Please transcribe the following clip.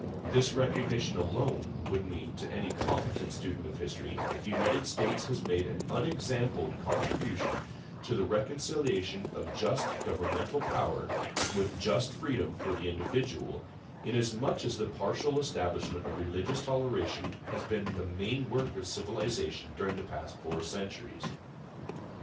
This recognition alone would mean, to any competent student of history, that the United States had made an unexampled contribution to the reconciliation of just governmental power with just freedom for the individual, inasmuch as the partial establishment of religious toleration has been the main work of civilization during the past four centuries.